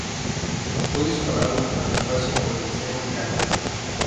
Fue disparado al espacio por el Zero Cannon.